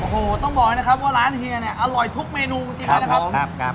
โอ้โหต้องบอกเลยนะครับว่าร้านเฮียเนี่ยอร่อยทุกเมนูจริงเลยนะครับ